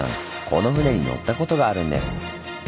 この船に乗ったことがあるんです。